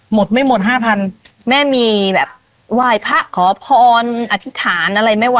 หมดไม่หมดห้าพันแม่มีแบบไหว้พระขอพรอธิษฐานอะไรไหมวะ